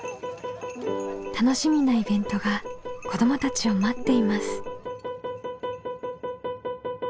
楽しみなイベントが子どもたちを待っています。